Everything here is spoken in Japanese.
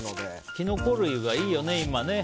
キノコ類がいいよね、今ね。